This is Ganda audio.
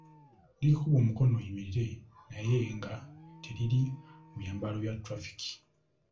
Likukuba omukono oyimirire naye nga teriri mu byambalo bya ba traffic.